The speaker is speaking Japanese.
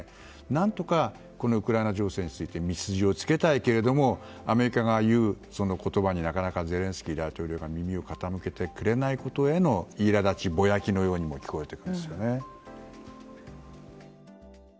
何とかウクライナ情勢について道筋をつけたいけれどもアメリカがいう言葉になかなかゼレンスキー大統領が耳を傾けてくれないことへのいらだち、ぼやきのようにも聞こえてきますよね。